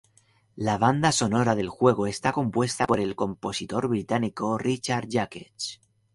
La banda sonora del juego está compuesta por el compositor británico Richard Jacques.